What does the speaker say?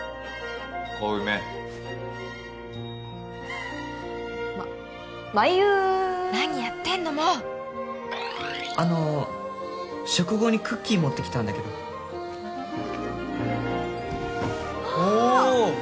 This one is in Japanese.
小梅ままいう何やってんのもうあの食後にクッキー持ってきたんだけどおお！